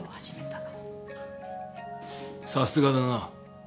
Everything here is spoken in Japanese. さすがだな。